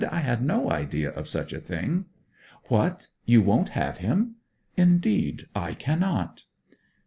'I had no idea of such a thing.' 'What, you won't have him?' 'Indeed, I cannot!'